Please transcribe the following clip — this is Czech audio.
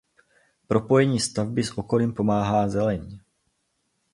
Propojení stavby s okolím pomáhá zeleň.